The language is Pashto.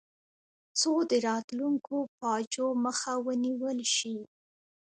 څو د راتلونکو فاجعو مخه ونیول شي.